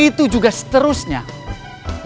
lalu kita kali dengan kata yang paling banyak ditulis